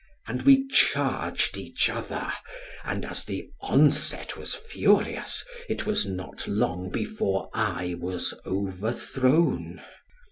And we charged each other; and as the onset was furious, it was not long before I was overthrown.